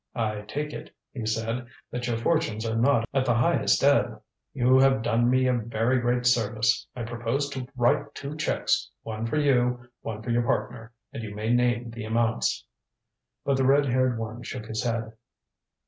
"I take it," he said, "that your fortunes are not at the highest ebb. You have done me a very great service. I propose to write two checks one for you, one for your partner and you may name the amounts." But the red haired one shook his head.